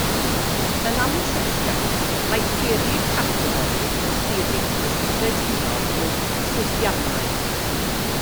Yn anffurfiol, mae theori categori yn theori gyffredinol o ffwythiannau.